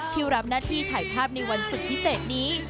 รับหน้าที่ถ่ายภาพในวันศึกพิเศษนี้